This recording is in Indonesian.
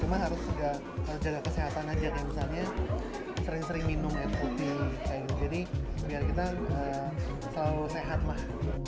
cuma harus juga jaga kesehatan aja kayak misalnya sering sering minum air putih kayak gitu jadi biar kita selalu sehat lah